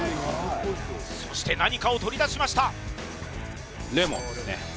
そして何かを取り出しましたレモンですね